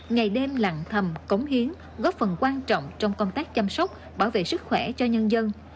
ngày đêm lặng thầm cống hiến góp phần quan trọng trong công tác chăm sóc bảo vệ sức khỏe cho nhân dân